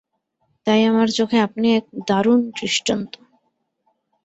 তাই আমার চোখে আপনি এক দারুণ দৃষ্টান্ত।